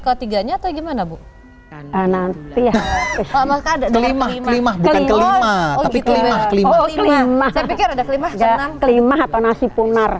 ketiganya atau gimana bu kelimah kelimah bukan kelimah tapi kelimah kelimah atau nasi punar